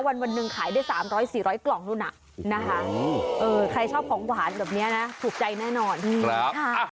วันหนึ่งขายได้๓๐๐๔๐๐กล่องนู่นน่ะนะคะใครชอบของหวานแบบนี้นะถูกใจแน่นอน